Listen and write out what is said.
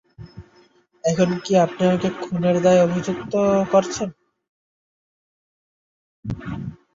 এখন কি আপনি আমাকে খুনের দায়ে অভিযুক্ত করছেন?